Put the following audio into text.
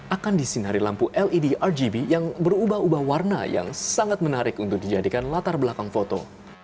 akan disinari lampu led rgb yang berubah ubah warna yang sangat menarik untuk dijadikan latar belakang foto